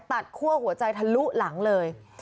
คั่วหัวใจทะลุหลังเลย